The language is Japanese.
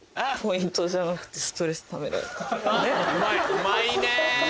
うまいねぇ。